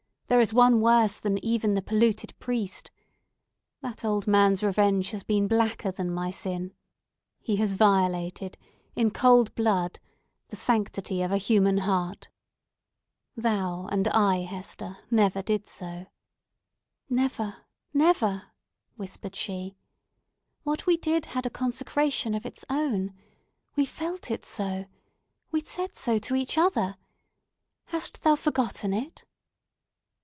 There is one worse than even the polluted priest! That old man's revenge has been blacker than my sin. He has violated, in cold blood, the sanctity of a human heart. Thou and I, Hester, never did so!" "Never, never!" whispered she. "What we did had a consecration of its own. We felt it so! We said so to each other. Hast thou forgotten it?"